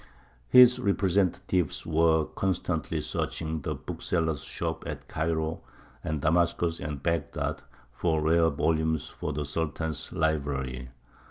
His representatives were constantly searching the booksellers' shops at Cairo and Damascus and Baghdad for rare volumes for the Sultan's library.